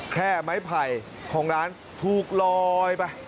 แค่ไม้ไผ่ของร้านถูกลอยไป